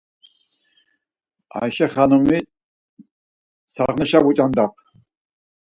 Ayşe xanumis saxneşe vuç̌andam.